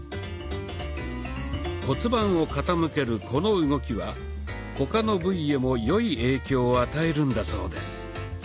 骨盤を傾けるこの動きは他の部位へも良い影響を与えるんだそうです。